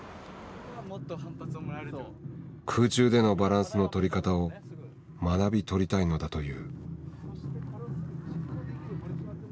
空中でのバランスのとり方を学びとりたいのだという。